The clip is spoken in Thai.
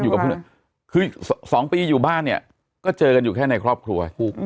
คือสองปีอยู่บ้านเนี่ยก็เจอกันอยู่แค่ในครอบครัว